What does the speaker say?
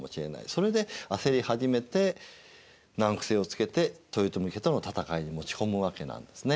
それで焦り始めて難癖をつけて豊臣家との戦いに持ち込むわけなんですね。